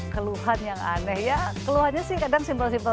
keluhan yang aneh ya keluhannya sih kadang simpel simpel